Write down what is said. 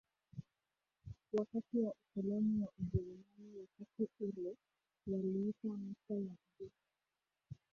wakati wa ukoloni wa Ujerumani Wakati ule waliita ncha ya juu